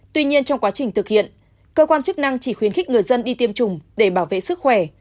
tuy nhiên trong quá trình thực hiện cơ quan chức năng chỉ khuyến khích người dân đi tiêm chủng để bảo vệ sức khỏe